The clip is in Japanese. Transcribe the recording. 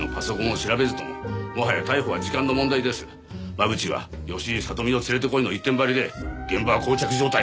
真渕は吉井聡美を連れてこいの一点張りで現場は膠着状態。